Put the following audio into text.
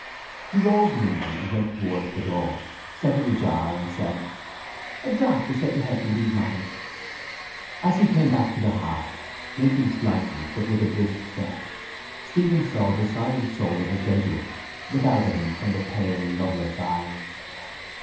He rose nimbly and went towards the door, set it ajar and said: —A draught is said to be a help in these matters. As he came back to the hearth, limping slightly but with a brisk step, Stephen saw the silent soul of a jesuit look out at him from the pale loveless eyes.